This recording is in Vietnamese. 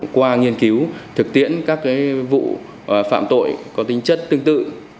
qua nghiên cứu thực tiễn các vụ phạm tội có tính chất tương tự